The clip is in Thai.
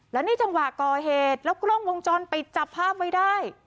แล้วนี่จังหวะก่อเหตุแล้วกล้องวงจรปิดจับภาพไว้ได้